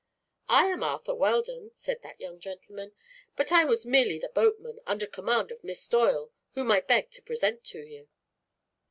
"I am Arthur Weldon," said that young gentleman; "but I was merely the boatman, under command of Miss Doyle, whom I beg to present to you."